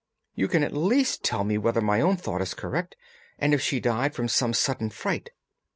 "You can at least tell me whether my own thought is correct, and if she died from some sudden fright."